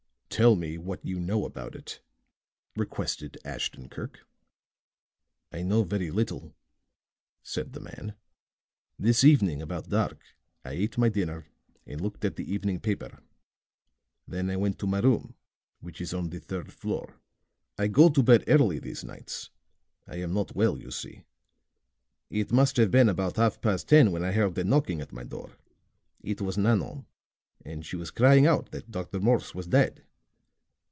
"Tell me what you know about it," requested Ashton Kirk. "I know very little," said the man. "This evening about dark I ate my dinner and looked at the evening paper; then I went to my room, which is on the third floor. I go to bed early these nights; I am not well, you see. It must have been about half past ten when I heard a knocking at my door. It was Nanon, and she was crying out that Dr. Morse was dead.